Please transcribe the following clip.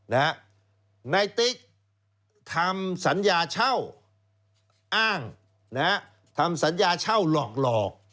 นายติ๊กทำสัญญาเช่าอ้างนะฮะทำสัญญาเช่าหลอก